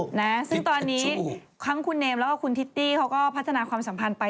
นะซึ่งตอนนี้ทั้งคุณเนมแล้วก็คุณคิตตี้เขาก็พัฒนาความสัมพันธ์ไป